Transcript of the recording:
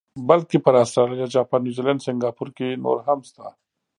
بلکې پر اسټرالیا، جاپان، نیوزیلینډ، سنګاپور کې نور هم شته.